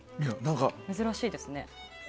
珍しいですね。